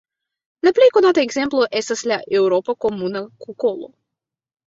La plej konata ekzemplo estas la eŭropa Komuna kukolo.